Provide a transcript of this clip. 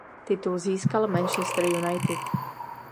Titul získal Manchester United.